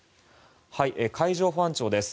海上保安庁です。